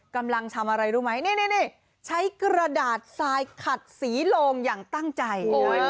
กำลังทำอะไรรู้ไหมนี่ใช้กระดาษทรายขัดสีโลงอย่างตั้งใจ